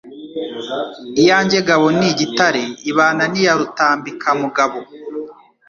Iyanjye ngabo ni igitare ibana n'iya Rutambikamugabo.